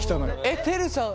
えってるさん。